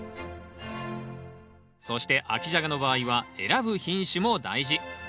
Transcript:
そして秋ジャガの場合は選ぶ品種も大事。